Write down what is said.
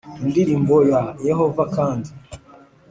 Indirimbom ya yehova kandi